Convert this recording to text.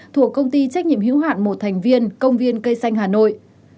thuộc công ty trách nhiệm hữu hạn một thành viên công viên cây xanh hà nội